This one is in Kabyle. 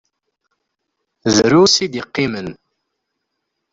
Drus i d-iqqimen.